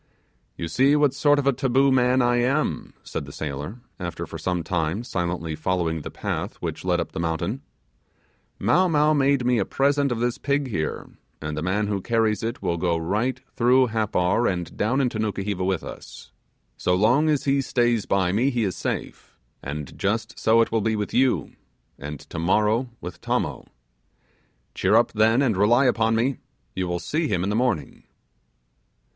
'You see what sort of a taboo man I am,' said the sailor, after for some time silently following the path which led up the mountain. 'Mow Mow made me a present of this pig here, and the man who carries it will go right through Happar, and down into Nukuheva with us. So long as he stays by me he is safe, and just so it will be with you, and tomorrow with Tommo. Cheer up, then, and rely upon me, you will see him in the morning.